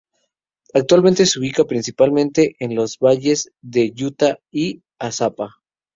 Actualmente se ubica principalmente en los valles de Lluta y Azapa.